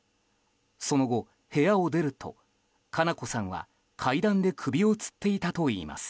その後、部屋を出ると佳菜子さんは階段で首をつっていたといいます。